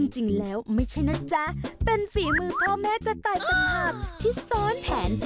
จริงแล้วไม่ใช่นะจ๊ะเป็นฝีมือพ่อแม่กระต่ายสภาพที่ซ้อนแผน